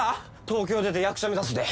東京出て役者目指すで！